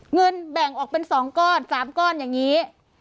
เงินแบ่งออกเป็น๒ก้อน๓ก้อนอย่างนี้